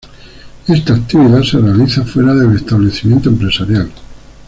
Esta actividad se realiza fuera del establecimiento empresarial.